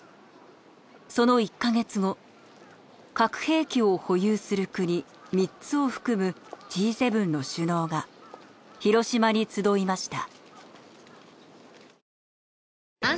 その１カ月後核兵器を保有する国３つを含むＧ７の首脳が広島に集いました。